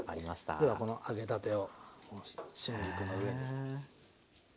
ではこの揚げたてを春菊の上に。